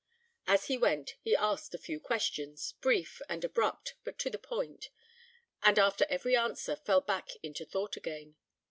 As he went, he asked a few questions, brief and abrupt, but to the point; and after every answer, fell back into thought again.